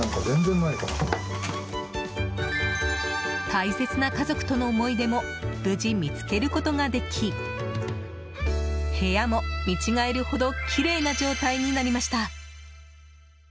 大切な家族との思い出も無事、見つけることができ部屋も見違えるほどきれいな状態になりました。